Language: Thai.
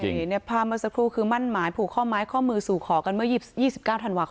นี่ภาพเมื่อสักครู่คือมั่นหมายผูกข้อไม้ข้อมือสู่ขอกันเมื่อ๒๙ธันวาคม